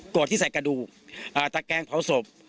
ที่ใส่กระดูกตะแกงเผาศพ